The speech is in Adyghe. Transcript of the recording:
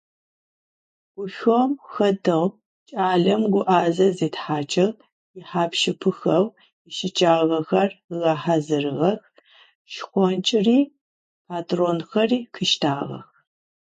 Гушӏом хэтэу кӏалэм гуӏэзэ зитхьакӏыгъ, ихьап-щыпыхэу ищыкӏагъэхэр ыгъэхьазырыгъэх, шхончыри патронхэри къыштагъэх.